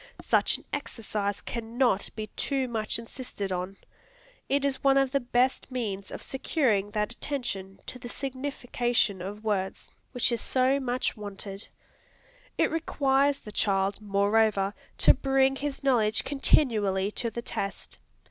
Such an exercise cannot be too much insisted on. It is one of the best means of securing that attention to the signification of words, which is so much wanted. It requires the child, moreover, to bring his knowledge continually to the test.